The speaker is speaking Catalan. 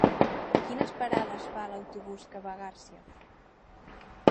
Quines parades fa l'autobús que va a Garcia?